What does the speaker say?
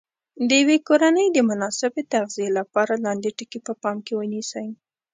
د یوې کورنۍ د مناسبې تغذیې لپاره لاندې ټکي په پام کې ونیسئ.